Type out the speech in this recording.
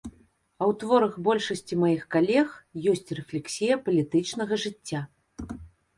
А ў творах большасці маіх калег ёсць рэфлексія палітычнага жыцця.